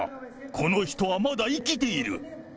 この人はまだ生きている。